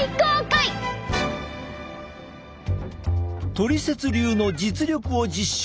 トリセツ流の実力を実証！